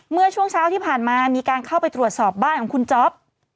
เมื่อช่วงเช้าที่ผ่านมามีการเข้าไปตรวจสอบบ้านของคุณจ๊อป